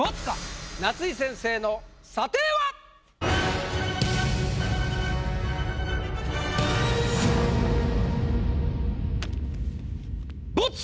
夏井先生の査定は⁉ボツ！